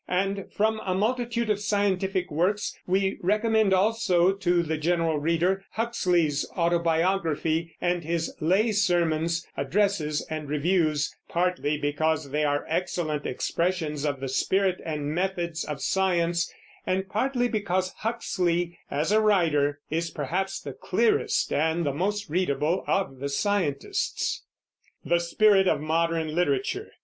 And, from a multitude of scientific works, we recommend also to the general reader Huxley's Autobiography and his Lay Sermons, Addresses, and Reviews, partly because they are excellent expressions of the spirit and methods of science, and partly because Huxley as a writer is perhaps the clearest and the most readable of the scientists. THE SPIRIT OF MODERN LITERATURE.